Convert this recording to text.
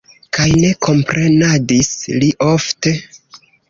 Kaj ne komprenadis li ofte.